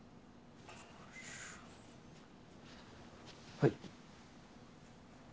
はい。